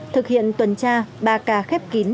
thực hiện tuần tra ba ca khép kín